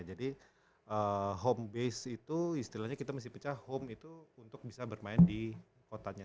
jadi home base itu istilahnya kita mesti pecah home itu untuk bisa bermain di kotanya